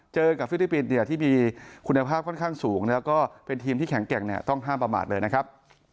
เจอกับฟิลิปปินส์ที่มีคุณภาพค่อนข้างสูงแล้วก็เป็นทีมที่แข็งแกร่งเนี่ยต้องห้ามประมาทเลยนะครับ